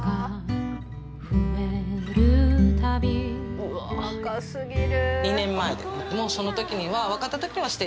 うわ。若過ぎる。